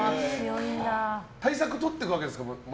対策とっていくわけですか？